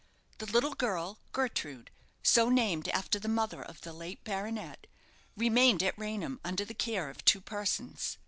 The little girl, Gertrude, so named after the mother of the late baronet, remained at Raynham under the care of two persons.